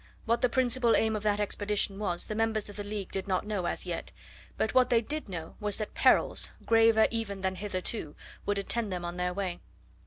What the principal aim of that expedition was the members of the League did not know as yet, but what they did know was that perils graver even than hitherto would attend them on their way.